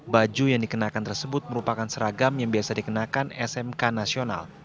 baju yang dikenakan tersebut merupakan seragam yang biasa dikenakan smk nasional